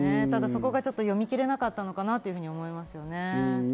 そこが読み切れなかったのかなと思います。